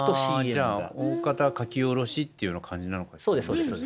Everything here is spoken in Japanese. じゃあ大方書き下ろしっていうような感じなのかなもしかして。